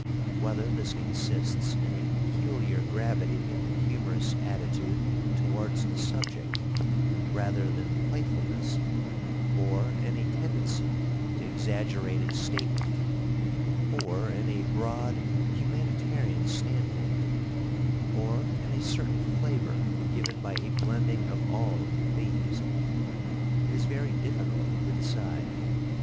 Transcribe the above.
Whether this consists in a peculiar gravity in the humorous attitude towards the subject, rather than playfulness, or in a tendency to exaggerated statement, or in a broad humanitarian standpoint, or in a certain flavor given by a blending of all these, it is very difficult to decide.